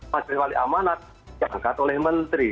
majelis wali amanat diangkat oleh menteri